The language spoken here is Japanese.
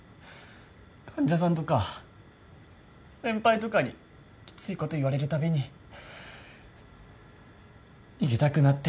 患者さんとか先輩とかにきついこと言われるたびに逃げたくなって。